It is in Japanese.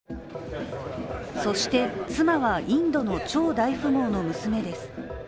そして妻は、インドの超大富豪の娘です。